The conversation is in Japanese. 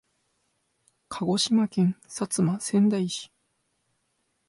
鹿児島県薩摩川内市